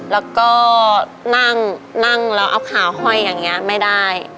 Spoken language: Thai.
แล้วก็นั่งนั่งแล้วเอาขาห้อยอย่างนี้ไม่ได้